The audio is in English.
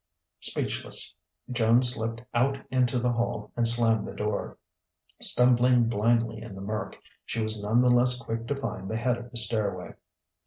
Speechless, Joan slipped out into the hall and slammed the door. Stumbling blindly in the murk, she was none the less quick to find the head of the stairway.